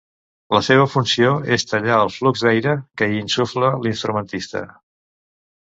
La seva funció és tallar el flux d'aire que hi insufla l'instrumentista.